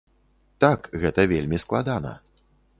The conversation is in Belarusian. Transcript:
Так, гэта вельмі складана.